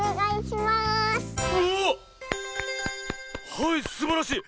はいすばらしい！